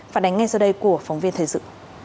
phản ánh ngay sau đây của phóng viên thế dự